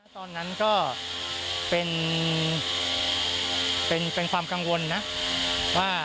ตอนนั้นก็เป็นความกังวลนะว่า